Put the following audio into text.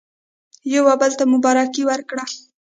یو او بل ته مو مبارکي ورکړه.